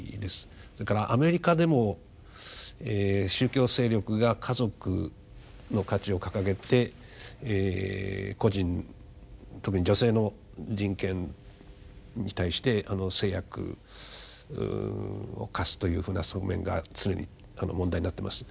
それからアメリカでも宗教勢力が家族の価値を掲げて個人特に女性の人権に対して制約を課すというふうな側面が常に問題になってます。